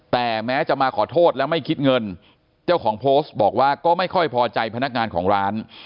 แต่แม้จะมาขอโทษและไม่คิดเงินเจ้าของโพสต์บอกว่าก็ไม่ค่อยพอใจพนักงานของร้าน